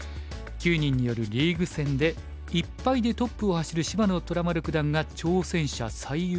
９人によるリーグ戦で１敗でトップを走る芝野虎丸九段が挑戦者最有力候補ですね。